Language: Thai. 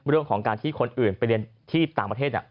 เรื่องของการที่คนอื่นไปเรียนที่ต่างประเทศ